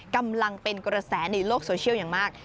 กำลังเป็นกระแสในโลกโซเชียลอย่างมาก